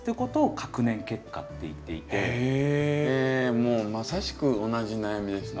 もうまさしく同じ悩みですね。